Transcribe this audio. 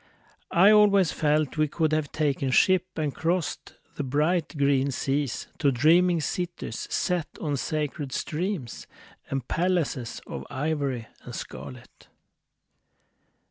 I always felt we could have taken ship And crossed the bright green seas To dreaming cities set on sacred streams And palaces Of ivory and scarlet.